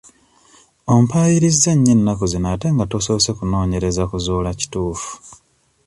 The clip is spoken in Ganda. Ompaayiriza nnyo ennaku zino ate nga tosoose kunoonyereza kuzuula kituufu.